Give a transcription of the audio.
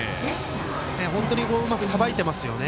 本当にうまくさばいてますよね。